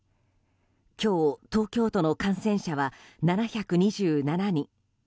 今日、東京都の感染者は７２７人。